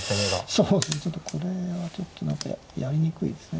そうですねちょっとこれはちょっと何かやりにくいですね。